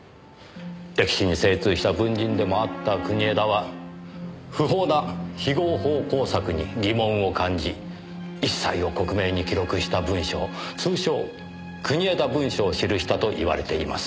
歴史に精通した文人でもあった国枝は不法な非合法工作に疑問を感じ一切を克明に記録した文書通称国枝文書を記したといわれています。